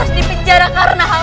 dan segera di penjara karena hal itu